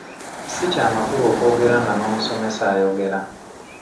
Si kya magezi okwogera nga n'omusomesa ayogera.